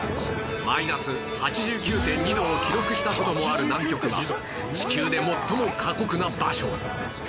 マイナス ８９．２ 度を記録した事もある南極は地球で最も過酷な場所